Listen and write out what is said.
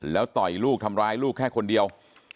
แล้วต่อยลูกทำร้ายลูกแค่คนเดียว